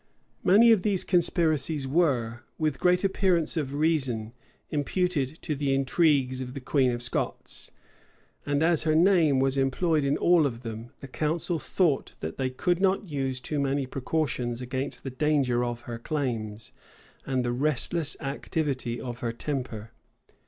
[*] Many of these conspiracies were, with great appearance of reason, imputed to the intrigues of the queen of Scots; [] and as her name was employed in all of them, the council thought that they could not use too many precautions against the danger of her claims, and the restless activity of her temper.